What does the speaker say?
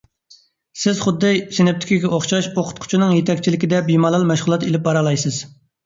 سىز خۇددى سىنىپتىكىگە ئوخشاش ئوقۇتقۇچىنىڭ يېتەكچىلىكىدە بىمالال مەشغۇلات ئېلىپ بارالايسىز.